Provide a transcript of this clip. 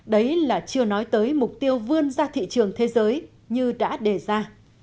đấy là chưa nói tới mục tiêu vươn ra thị trường thế giới như đã đề ra